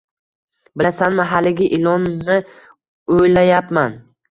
— Bilasanmi... haligi... ilonni o‘ylayapman.